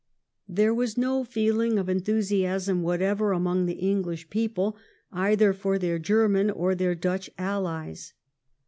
There was no feehng of enthusiasm whatever among the English people either for their German or their Dutch aUies.